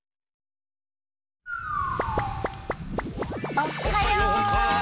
おっはよう！